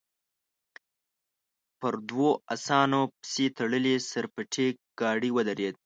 پر دوو اسانو پسې تړلې سر پټې ګاډۍ ودرېده.